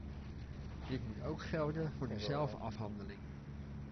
Dit moet ook gelden voor de zelfafhandeling.